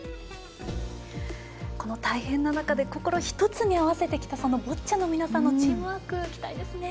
この大変な中で心１つに合わせてきたそのボッチャの皆さんのチームワーク、期待ですね。